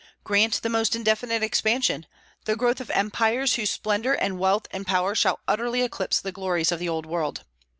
Grant the most indefinite expansion, the growth of empires whose splendor and wealth and power shall utterly eclipse the glories of the Old World.